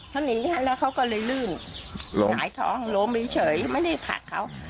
เขาหนีแล้วเขาก็เลยลื่นล้มหงายท้องล้มเฉยไม่ได้ผลักเขา